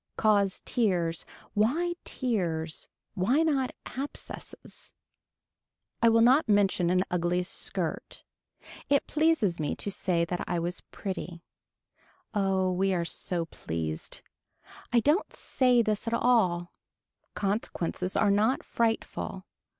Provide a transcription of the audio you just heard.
Cause tears. Why tears, why not abscesses. I will never mention an ugly skirt. It pleased me to say that I was pretty. Oh we are so pleased. I don't say this at all. Consequences are not frightful.